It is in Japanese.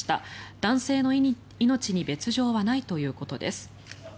男性の命に別条はないということです。